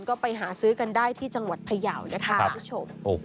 คุณก็ไปหาซื้อกันได้ที่จังหวัดผยาวนะครับ